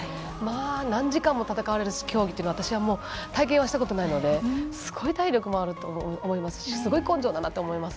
何時間も戦われる競技って私は体験したことないのですごい体力もあると思いますしすごい根性だなと思います。